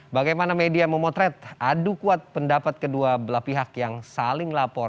bagaimana media memotret adu kuat pendapat kedua belah pihak yang saling lapor